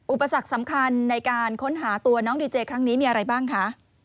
อุปสรรคสำคัญในการค้นหาตัวน้องดีเจครั้งนี้มีอะไรบ้างคะ